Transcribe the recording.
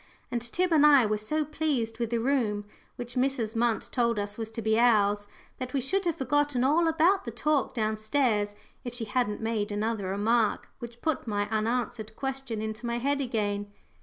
And Tib and I were so pleased with the room which Mrs. Munt told us was to be ours, that we should have forgotten all about the talk down stairs if she hadn't made another remark, which put my unanswered question into my head again.